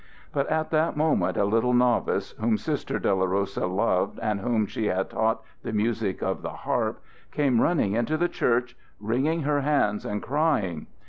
But at that moment a little novice, whom Sister Dolorosa loved and whom she had taught the music of the harp, came running into the church, wringing her hands and crying.